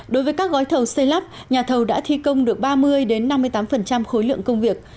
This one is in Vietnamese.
đối với các gói thầu xây lắp nhà thầu đã thi công được ba mươi năm mươi tám khối lượng công việc